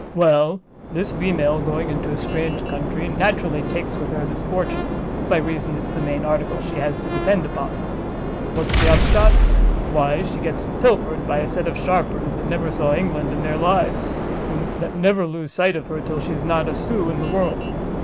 Well, this female, going into a strange country, naturally takes with her this fortune, by reason it's the main article she has to depend upon; what's the upshot? why she gets pilfered by a set of sharpers that never saw England in their lives, and that never lose sight of her till she has not a sous in the world.